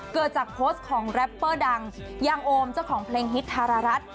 เกิดจากโพสต์ของแรปเปอร์ดังยังโอมเจ้าของเพลงฮิตธารรัฐ